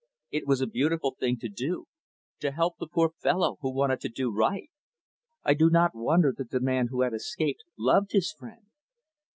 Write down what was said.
It was a beautiful thing to do to help the poor fellow who wanted to do right. I do not wonder that the man who had escaped, loved his friend."